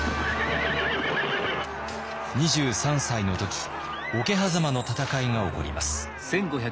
２３歳の時桶狭間の戦いが起こります。